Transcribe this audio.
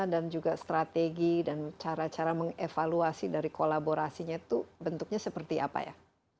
dan juga strategi dan cara cara mengevaluasi dari kolaborasinya itu bentuknya seperti apa ya